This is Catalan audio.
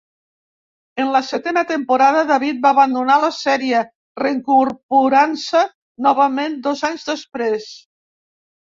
En la setena temporada, David va abandonar la sèrie, reincorporant-se novament dos anys després.